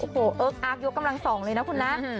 โอ้โหเอิ๊กอาร์กยกกำลังส่องเลยนะคุณนะ